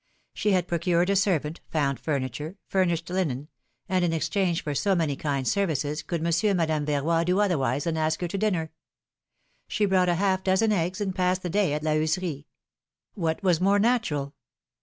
She had procured a servant, found furniture, furnished linen — and in exchange for so many kind services could Monsieur and Madame Verroy do otherwise than ask her to dinner ? She brought a half dozen eggs and passed the day at La Heuserie. What was more natural